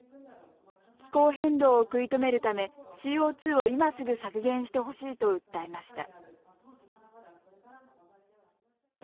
気候変動を食い止めるためＣＯ２を今すぐ削減してほしいと訴えました。